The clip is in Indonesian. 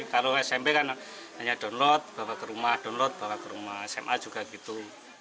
kalau smp kan hanya download bawa ke rumah download bawa ke rumah sma juga gitu